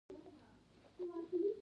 ځینې شعارونه تفکر بېخ بنا جوړوي